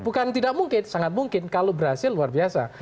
bukan tidak mungkin sangat mungkin kalau berhasil luar biasa